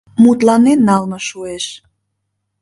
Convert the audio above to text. Мутланен налме шуэш.